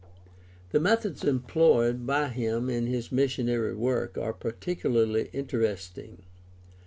— The methods employed by him in his missionary work are particularly interesting.